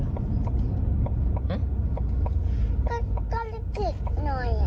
ก็รู้สึกหน่อย